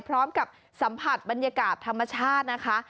พร้อมกับสัมผัสบรรยากาศธรรมชาตินะคะ